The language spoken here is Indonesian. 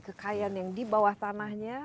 kekayaan yang di bawah tanahnya